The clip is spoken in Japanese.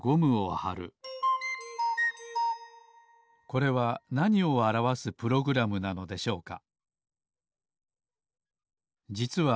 これはなにをあらわすプログラムなのでしょうか？